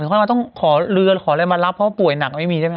ค่อยมาต้องขอเรือขออะไรมารับเพราะป่วยหนักไม่มีใช่ไหม